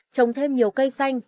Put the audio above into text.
trồng thêm nhiều cây xanh